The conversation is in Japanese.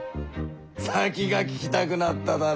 先が聞きたくなっただろう。